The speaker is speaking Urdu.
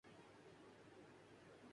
جی جی حدید نے امید سے ہونے کی تصدیق کردی